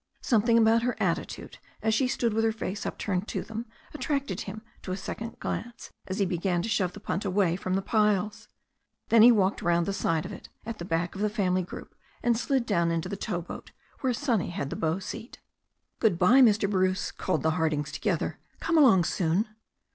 Something about her attitude, as she stood with her face upturned to them, attracted him to a second glance as he began to shove the punt away from the piles. Then he walked round the side of it, at the back of the family group, and slid down into the tow boat, where Sonny had the bow seat. Good bye, Mr. Bruce," called the Hirdings together. Come along soon."